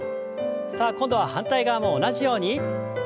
さあ今度は反対側も同じように。